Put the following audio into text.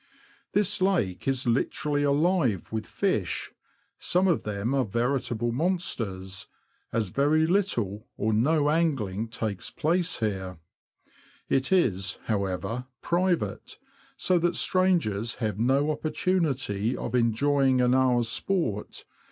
This lake is literally alive with fish — some of them are veritable monsters, as very little or no angling takes place here ; it is, how ever, private, so that strangers have no opportunity of enjoying an hour's sport.